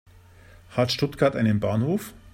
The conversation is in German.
Hat Stuttgart einen Bahnhof?